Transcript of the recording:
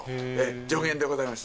助言でございます。